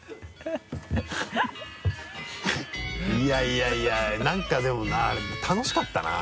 いやいや何かでも楽しかったな。